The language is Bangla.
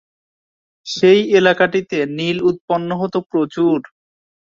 সেই এলাকাটিতে নীল উৎপন্ন হতো প্রচুর।